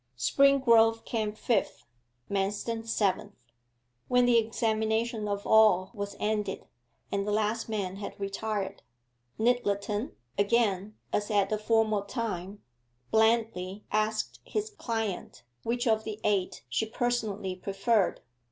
Springrove came fifth; Manston seventh. When the examination of all was ended, and the last man had retired, Nyttleton, again as at the former time, blandly asked his client which of the eight she personally preferred.